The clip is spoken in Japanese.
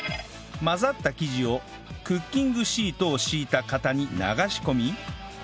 混ざった生地をクッキングシートを敷いた型に流し込み